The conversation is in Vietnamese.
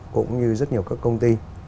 cũng như rất nhiều các công ty